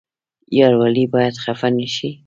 یار ولې باید خفه نشي؟